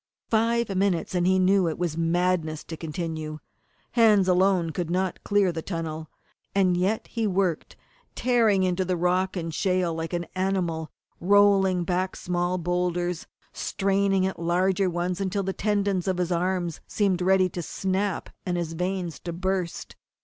Five minutes and he knew that it was madness to continue. Hands alone could not clear the tunnel. And yet he worked, tearing into the rock and shale like an animal; rolling back small boulders, straining at larger ones until the tendons of his arms seemed ready to snap and his veins to burst.